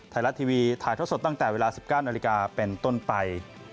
ไทยรัฐทีวีถ่ายท่อสดตั้งแต่เวลา๑๙นาฬิกาเป็นต้นไป